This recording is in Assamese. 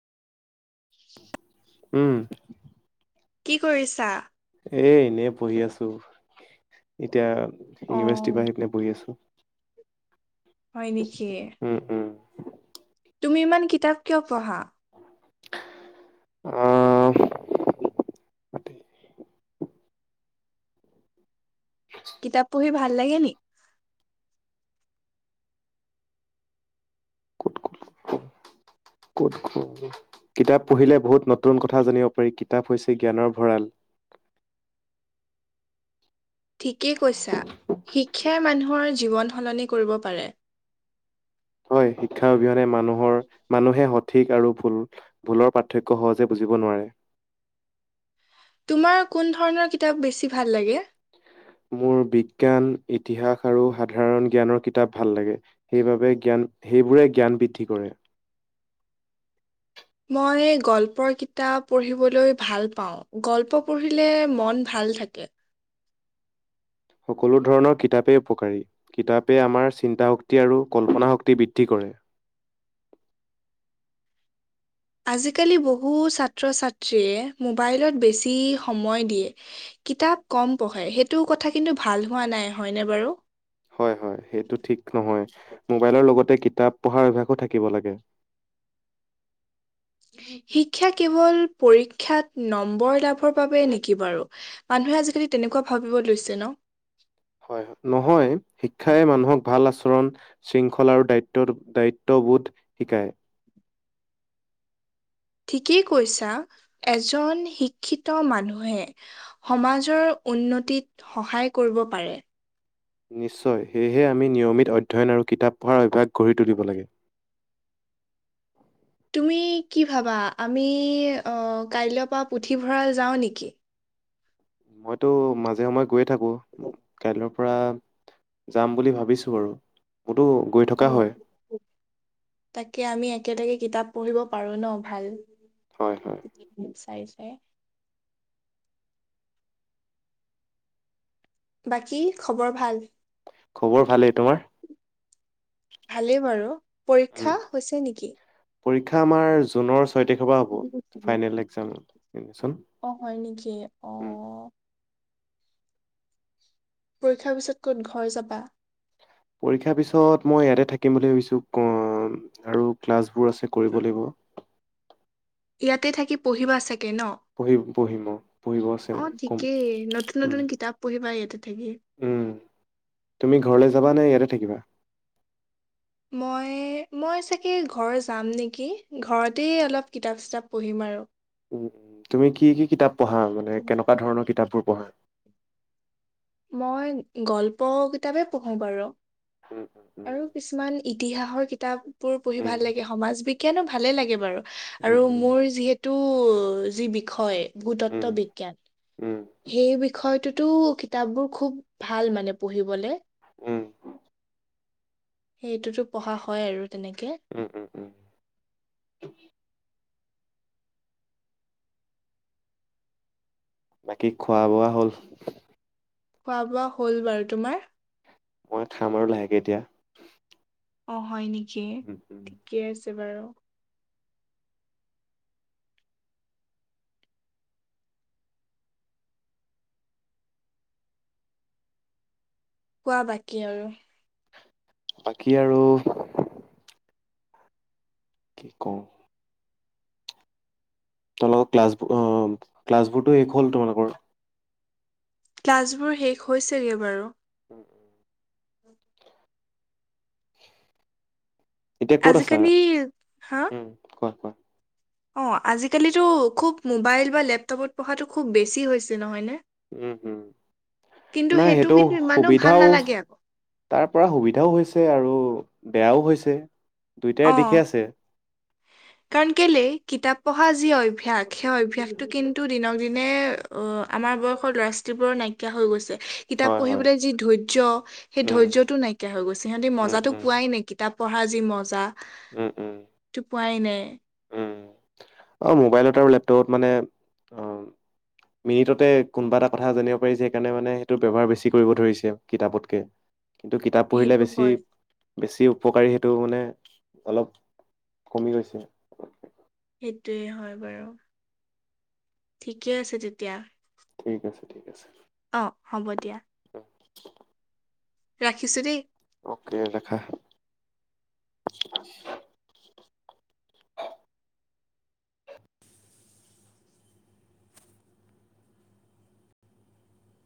উম। কি কৰিছা? এ এনেই পঢ়ি আছো, এতিয়া অ ইউনিভাৰ্চিটিৰ পৰা আহি পিনে পঢ়ি আছো। হয় নেকি। উম, উম্। তুমি ইমান কিতাপ কিয় পঢ়া? আহ্। কিতাপ পঢ়ি ভাল লাগে নি? ক'ত, ক'ত। কিতাপ পঢ়িলে বহুত নতুন কথা জানিব পাৰি, কিতাপ হৈছে জ্ঞানৰ ভঁৰাল। ঠিকেই কৈছা, শিক্ষাই মানুহৰ জীৱন সলনি কৰিব পাৰে। হয়, শিক্ষা অবিহনে মানুহৰ মানুহে সঠিক আৰু ভুল- ভুলৰ পাৰ্থক্য সহজে বুজিব নোৱাৰে। তোমাৰ কোন ধৰণৰ কিতাপ বেছি ভাল লাগে? মোৰ বিজ্ঞান, ইতিহাস আৰু সাধাৰণ জ্ঞানৰ কিতাপ ভাল লাগে। সেইবাবে জ্ঞান, সেইবোৰে জ্ঞান বৃদ্ধি কৰে। মই গল্পৰ কিতাপ পঢ়িবলৈ ভাল পাওঁ। গল্প পঢ়িলে মন ভাল থাকে। সকলো ধৰণৰ কিতাপেই উপকাৰী। কিতাপেই আমাৰ চিন্তা শক্তি আৰু কল্পনা শক্তি বৃদ্ধি কৰে। আজিকালি বহু ছাত্ৰ ছাত্ৰীয়ে মোবাইলত বেছি সময় দিয়ে। কিতাপ কম পঢ়ে, সেইটো কথা কিন্তু ভাল হোৱা নাই, হয়নে বাৰু? হয়, হয়। সেইটো ঠিক নহয়, মোবাইলৰ লগতে কিতাপ পঢ়াৰ অভ্যাসো থাকিব লাগে। শিক্ষা কেৱল পৰীক্ষাত নম্বৰ লাভৰ বাবেই নেকি বাৰু? মানুহে আজিকালি তেনেকুৱা ভাবিব লৈছে ন'? হয়, নহয় শিক্ষাই মানুহক ভাল আচৰণ- শৃংখলা আৰু দায়িত্ব দায়িত্ববোধ শিকায়। ঠিকেই কৈছা এজন শিক্ষিত মানুহে- সমাজৰ উন্নতিত সহায় কৰিব পাৰে। নিশ্চয়, সেয়েহে আমি নিয়মিত অধ্যয়ন আৰু কিতাপ পঢ়াৰ অভ্যাস গঢ়ি তুলিব লাগে। তুমি কি ভাবা আমি অঁ কাইলৈৰ পৰা পুথিভঁৰাল যাওঁ নেকি? মইতো মাজে সময়ে গৈয়ে থাকোঁ, কাইলৈৰ পৰা- যাম বুলি ভাবিছো বাৰু, বহুতো- অঁ, তাকে আমি একেলগে কিতাপ পঢ়িব পাৰো ন' ভাল? হয়, হয়। চায়, চায়। বাকী খবৰ ভাল? খবৰ ভালেই, তোমাৰ? ভালেই বাৰু, উম, পৰীক্ষা হৈছে নেকি? পৰীক্ষা আমাৰ জুনৰ ছয় তাৰিখৰ পৰা হ'ব ফাইনেল এক্সাম। অঁ, হয় নেকি? অঁ। পৰীক্ষাৰ পিছত ক'ত ঘৰ যাবা? পৰীক্ষাৰ পিছত মই ইয়াতে থাকিম বুলি ভাবিছোঁ [unintelligible] আৰু ক্লাছবোৰ আছে কৰিব লাগিব।। ইয়াতে থাকি পঢ়িবা চাগে ন'? পঢ়িম-পঢ়িম অঁ, পঢ়িব আছে অ কম, ঠিকেই নতুন উম। নতুন কিতাপ পঢ়িবা ইয়াতে থাকি। উম, তুমি ঘৰলৈ যাবা নে ইয়াতে থাকিবা? মই, মই চাগে ঘৰ যাম নেকি! ঘৰতেই অলপ কিতাপ-ছিতাপ পঢ়িম আৰু। উম, তুমি কি-কি কিতাপ পঢ়া মানে কেনেকুৱা ধৰণৰ কিতাপবোৰ পঢ়া? মই গল্প কিতাপে পঢ়োঁ বাৰু। উম। আৰু কিছুমান ইতিহাসৰ কিতাপ বোৰ পঢ়ি উম ভাল লাগে, সমাজ বিজ্ঞানো ভালে লাগে বাৰু। উম আৰু মোৰ যিহেতু যি বিষয়- উম ভূতত্ত্ব বিজ্ঞান। উম সেই বিষয়টোতো- কিতাপ বোৰ খুব ভাল মানে পঢ়িঁবলে। উম সেইটোতো পঢ়া হয় আৰু তেনেকে। উম-উম-উম। বাকী খোৱা বোৱা হ'ল? খোৱা বোৱা হ'ল বাৰু, তোমাৰ? মই খাম আৰু লাহেকে এতিয়া। অ, হয় নেক? উম উম ঠিকে আছে বাৰু। কোৱা বাকী আৰু। বাকী আৰু। কি কওঁ? তোমালোকৰ ক্লাছবোৰ অ' ক্লাছবোৰটো শেষ হ'ল তোমালোকৰ? ক্লাছবোৰ শেষ হৈছেগে বাৰু। অ'। এতিয়া ক'ত আছা? আজিকালি হা? উম, কোৱা কোৱা অ' আজিকালিতো খুব মোবাইল বা লেপটপত পঢ়াটো খুব বেছি হৈছে নহয়নে? উম উম কিন্তু নাই সেইটো কিন্তু ইমানো ভাল সুবিধাও। নালাগে আকৌ তাৰ পৰা সুবিধাও হৈছে আৰু বেয়াও হৈছে। দুইোটাই অ' দিশে আছে। [inaudible] কাৰণ কেইলে কিতাপ পঢ়া যি অভ্যয়াস সেই অভ্যসটো কিন্তু দিনক দিনে। অ' আমাৰ বয়সৰ ল'ৰা ছোৱালীবোৰৰ নাইকিয়া হৈ গৈছে। কিতাপ হয় হয় পঢ়িবলৈ যি ধৈৰ্য ৰ্য্য সেই উম, ধৈৰ্য্যটো নাইকিয়া হৈ গৈছে। সিহঁতি উম, মজাটো উম, পোৱাই নাই কিতাপ পঢ়াৰ যি মজা। উম উম। টো পোৱাই নাই। উম। অ' মোবাইলত আৰু লেপটপত মানে অ'। [inaudible] মিনিটতে কোনোবা এটা কথা জানিব পাৰি যে সেইকাৰণে মানে সেইটো ব্যৱহাৰ বেছি কৰিব ধৰিছে কিতাপতকে। কিন্তু কিতাপ পঢ়িলে সেইটো বেছি। হয় বেছি উপকাৰী সেইটো মানে অলপ কমি গৈছে। সেইটোয়ে হয় বাৰু। ঠিকে আছে তেতিয়া। ঠিক আছে ঠিক আছে। অ' হ'ব দিয়া। ৰাখিছো দেই। অ'কে ৰাখা।